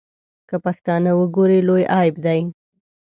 که پښتانه وګوري لوی عیب دی.